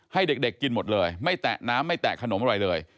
ให้เด็กกินหมดเลยไม่แตะน้ำไม่แตะขนมอะไรเลย